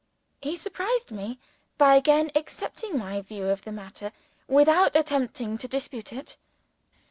He surprised me by again accepting my view of the matter, without attempting to dispute it.